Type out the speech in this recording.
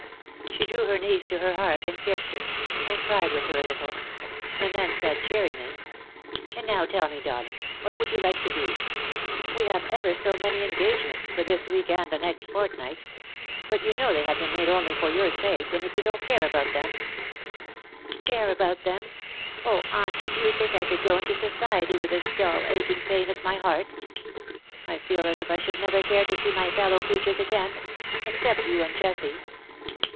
She drew her niece to her heart, and kissed her, and cried with her a little ; and then said cheeringly, '^And now tell me, darling, what you would like to do ? We have ever so many engagements for this week and the next fortnight — but you know they have been made only for your sake, and if you don^t care about them "'^ Care about them ! Oh, Auntie, do you think I could go into society with this dull aching pain at my heart ? I feel as if I should never care to see my fellow creatures again — except you and Jessie.